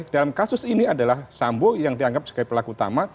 dalam kasus ini adalah sambo yang dianggap sebagai pelaku utama